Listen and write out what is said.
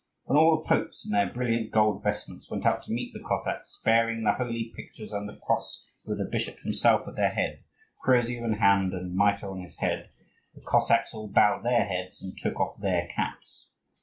When all the popes, in their brilliant gold vestments, went out to meet the Cossacks, bearing the holy pictures and the cross, with the bishop himself at their head, crosier in hand and mitre on his head, the Cossacks all bowed their heads and took off their caps.